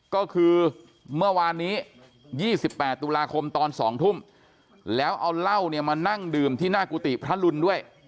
ก็คือเมื่อวานนี้๒๘ตุลาคมตอน๒ทุ่มแล้วเอาเหล้าเนี่ยมานั่งดื่มที่หน้ากุฏิพระรุนด้วย